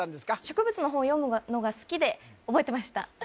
植物の本読むのが好きで覚えてました